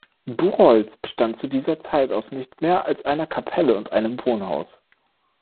Buchholz bestand zu dieser Zeit aus nicht mehr als einer Kapelle und einem Wohnhaus.